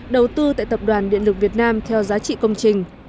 đầu tư tại tập đoàn điện lực việt nam theo giá trị công trình